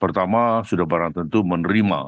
pertama sudah barang tentu menerima